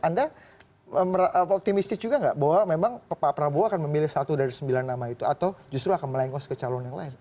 anda optimistis juga nggak bahwa memang pak prabowo akan memilih satu dari sembilan nama itu atau justru akan melengkos ke calon yang lain